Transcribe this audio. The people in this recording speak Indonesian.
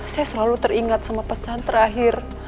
saya selalu teringat sama pesan terakhir